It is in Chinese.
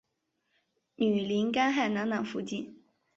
女林丹汗囊囊福晋。